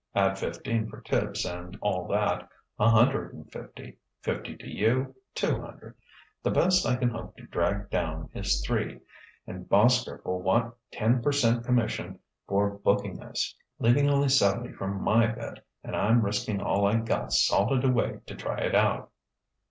Add fifteen for tips and all that: a hundred and fifty; fifty to you, two hundred. The best I can hope to drag down is three, and Boskerk'll want ten per cent commission for booking us, leaving only seventy for my bit and I'm risking all I got salted away to try it out."